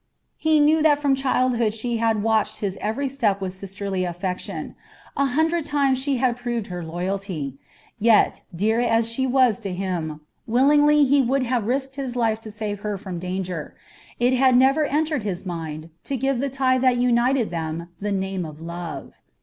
He knew that from childhood she had watched his every step with sisterly affection. A hundred times she had proved her loyalty; yet, dear as she was to him, willingly as he would have risked his life to save her from a danger, it had never entered his mind to give the tie that united them the name of love.